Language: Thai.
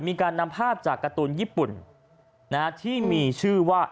มีการนำภาพจากการ์ตูนญี่ปุ่นที่มีชื่อว่า